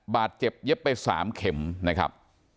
บาดเจ็บเย็บไป๓เข็มนะครับ